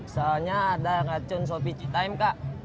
soalnya ada racun shopee citaiem kak